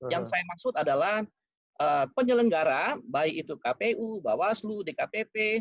yang saya maksud adalah penyelenggara baik itu kpu bawaslu dkpp